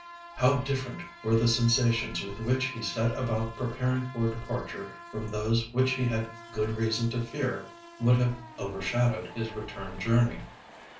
How different were the sensations with which he set about preparing for departure from those which he had good reason to fear would have overshadowed his return journey!